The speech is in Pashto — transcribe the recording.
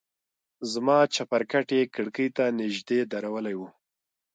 زما چپرکټ يې کړکۍ ته نژدې درولى و.